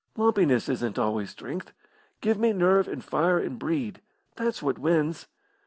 "Lumpiness isn't always strength. Give me nerve and fire and breed. That's what wins."